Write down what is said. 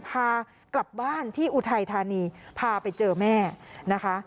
พากลับบ้านที่อุทัยธานีพาไปเจอแม่นะคะ